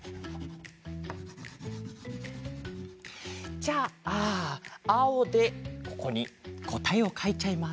じゃああおでここにこたえをかいちゃいます。